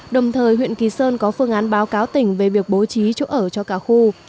đồng thời huyện kỳ sơn có phương án báo cáo tỉnh về việc bố trí chỗ ở cho cả khu